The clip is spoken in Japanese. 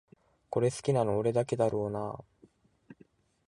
これ好きなの俺だけだろうなあ